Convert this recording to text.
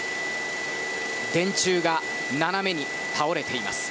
電柱が斜めに倒れています。